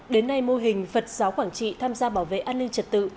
đến nay mô hình phật giáo quảng trị tham gia bảo vệ an ninh trật tự